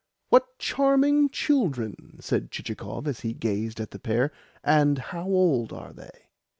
"What charming children!" said Chichikov as he gazed at the pair. "And how old are they?"